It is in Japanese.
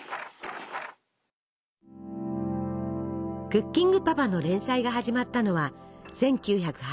「クッキングパパ」の連載が始まったのは１９８５年。